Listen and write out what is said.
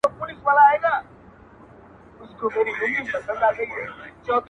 تاسو ته لږ د اسلامي ادب مطالعه هم پکار ده